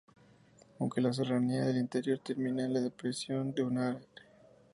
Aunque la Serranía del Interior termina en la depresión de Unare.